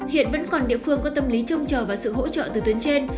hiện vẫn còn địa phương có tâm lý trông chờ vào sự hỗ trợ từ tuyến trên